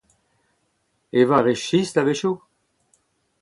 Evañ a rez sistr a-wechoù ?